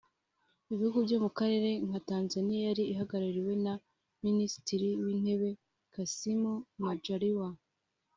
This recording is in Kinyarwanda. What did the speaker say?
Ibihugu byo mu karere nka Tanzania yari ihagarariwe na Minisitiri w’Intebe Kassim Majaliwa